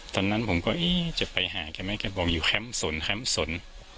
ตอนนั้นผมก็จะไปหาแกไหมแกบอกอยู่แคมป์สนแคมป์สน